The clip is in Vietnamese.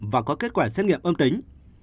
và có kết quả xét nghiệm âm tính